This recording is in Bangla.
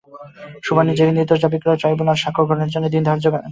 সুবহান নিজেকে নির্দোষ দাবি করলে ট্রাইব্যুনাল সাক্ষ্য গ্রহণের জন্য দিন ধার্য করেন।